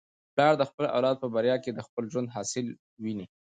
پلار د خپل اولاد په بریا کي د خپل ژوند حاصل ویني.